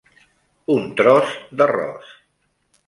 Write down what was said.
Un tros d'arròs.